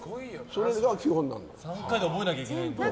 ３回で覚えなきゃいけないんだ。